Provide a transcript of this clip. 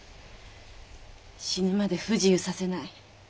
「死ぬまで不自由させない。